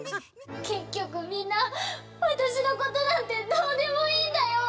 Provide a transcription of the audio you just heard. けっきょくみんなわたしのことなんてどうでもいいんだよ！